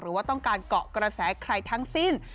หรือว่าต้องการเกาะกระแสใครทั้งสิ้น